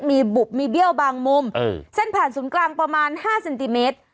มีบุบมีเบี้ยวบางมุมเส้นผ่านศูนย์กลางประมาณ๕เซนติเมตร